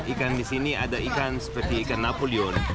ikan di sini ada ikan seperti ikan napoleon